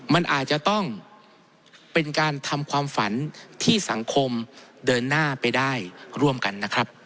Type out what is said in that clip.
มันอาจจะต้องเป็นการทำความฝันที่สังคมเดินหน้าไปได้ร่วมกันนะครับ